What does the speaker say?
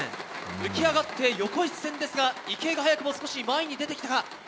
浮き上がって横一線ですが池江が早くも少し前に出てきたか。